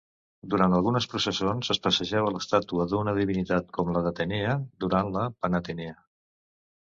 Durant algunes processons es passejava l'estàtua d'una divinitat, com la d'Atena durant la Panatenea.